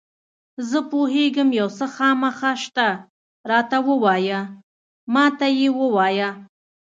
زه پوهېږم یو څه خامخا شته، راته ووایه، ما ته یې ووایه.